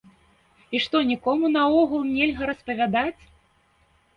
І што нікому наогул нельга распавядаць?